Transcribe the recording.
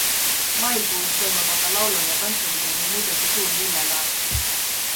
Maikuus toimub aga laulu- ja tantsupidu ning muidugi suur lillelaat.